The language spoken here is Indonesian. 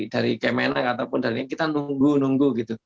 dari kemenang ataupun dari kita nunggu nunggu